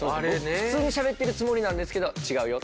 普通にしゃべってるつもりなんですけど「違うよ」